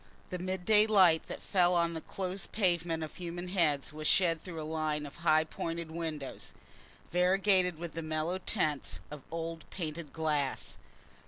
The midday light that fell on the close pavement of human heads was shed through a line of high pointed windows, variegated with the mellow tints of old painted glass.